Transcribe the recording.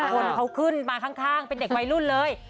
คนเขาขึ้นมาข้างเป็นเด็กวัยรุ่นเลย